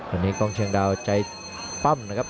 วันนี้กองเชียงดาวใจปั้มนะครับ